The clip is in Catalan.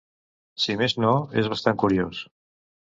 Si més no, és bastant curiós.